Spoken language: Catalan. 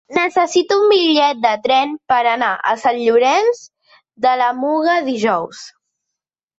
Necessito un bitllet de tren per anar a Sant Llorenç de la Muga dijous.